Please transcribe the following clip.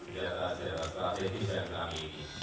kejayaan kejayaan strategis yang kami inginkan